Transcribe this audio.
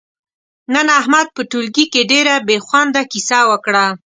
نن احمد په ټولگي کې ډېره بې خونده کیسه وکړه،